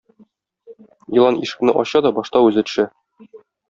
Елан ишекне ача да башта үзе төшә.